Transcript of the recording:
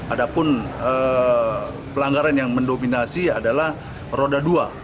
ada pun pelanggaran yang mendominasi adalah roda dua